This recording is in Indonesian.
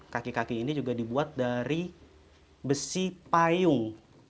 kaki kaki ini juga dibuat dari besi payung